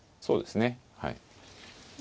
そうですねはい。